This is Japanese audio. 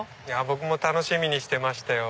僕も楽しみにしてましたよ。